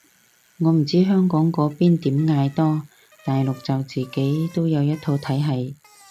我唔知香港嗰邊點嗌多，大陸就自己都有一套體係